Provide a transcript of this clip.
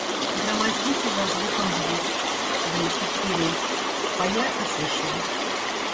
Громоздите за звуком звук вы и вперед, поя и свища.